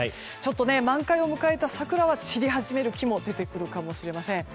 満開を迎えた桜は散り始める木も出てくるかもしれません。